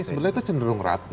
sebenarnya itu cenderung rapi